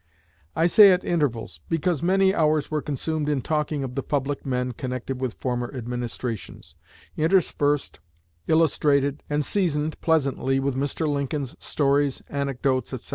I say at intervals, because many hours were consumed in talking of the public men connected with former administrations, interspersed, illustrated, and seasoned pleasantly with Mr. Lincoln's stories, anecdotes, etc.